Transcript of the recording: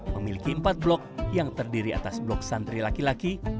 memiliki empat blok yang terdiri atas blok santri laki laki